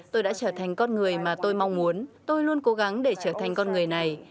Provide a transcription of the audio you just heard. tôi đã trở thành con người mà tôi mong muốn tôi luôn cố gắng để trở thành con người này